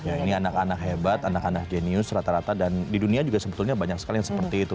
ya ini anak anak hebat anak anak jenius rata rata dan di dunia juga sebetulnya banyak sekali yang seperti itu